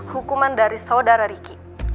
hukuman dari saudara ricky